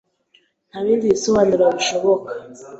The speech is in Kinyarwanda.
Nta bindi bisobanuro bishoboka.